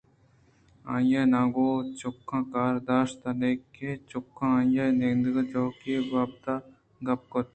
آئیءَ ناں گوں چکُاں کار داشت نیکہ چکُاں آئی ءِ نندگ ءُجوکہی ءِ بابتءَ گپ کُت